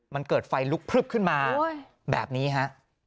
มันเกิดไฟลุกพลึบขึ้นมาแบบนี้ฮะ